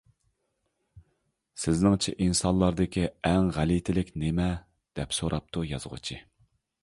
-سىزنىڭچە ئىنسانلاردىكى ئەڭ غەلىتىلىك نېمە؟ دەپ سوراپتۇ يازغۇچى.